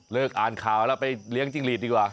อ่านข่าวแล้วไปเลี้ยงจิ้งหลีดดีกว่า